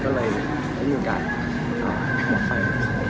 ก็เลยได้มีโอกาสออกไป